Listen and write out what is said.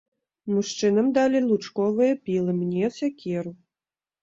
Мужчынам далі лучковыя пілы, мне сякеру.